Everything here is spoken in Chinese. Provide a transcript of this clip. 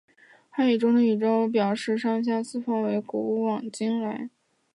汉语中的宇宙表示上下四方为古往今来为。